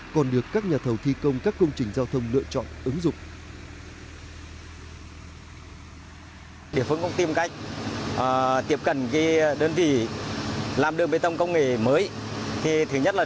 còn được tạo ra trong các bãi cảng container